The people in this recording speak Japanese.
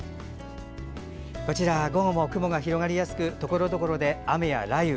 午後も雲が広がりやすくところどころで雨や雷雨。